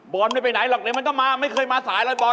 ไม่ไปไหนหรอกเดี๋ยวมันต้องมาไม่เคยมาสายเลยบอล